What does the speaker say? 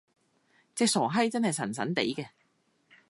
隻傻閪真係神神地嘅！